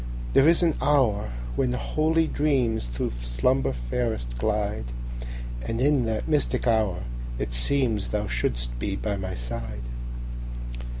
There is an hour when holy dreamsThrough slumber fairest glide; And in that mystic hour it seemsThou shouldst be by my side.